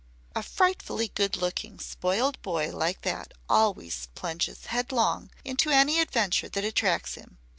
"A frightfully good looking, spoiled boy like that always plunges headlong into any adventure that attracts him.